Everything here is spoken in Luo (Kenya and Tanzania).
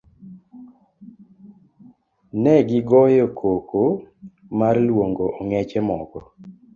Negi goyo koko mar luongo ong'eche moko.